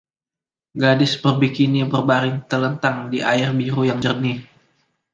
Gadis berbikini berbaring telentang di air biru yang jernih.